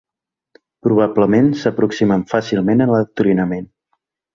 Probablement s'aproximen fàcilment a l'adoctrinament.